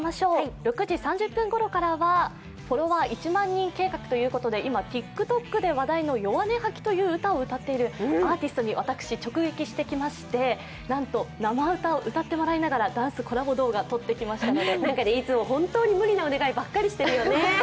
６時３０分ごろからはフォロワー１万人計画ということで今、ＴｉｋＴｏｋで話題の「＃ヨワネハキ」という歌を歌っているアーティストに私、直撃してきましてなんと生歌を歌ってもらいながら、ダンスコラボ動画をいつも本当に無理なお願いばっかりしてるよね。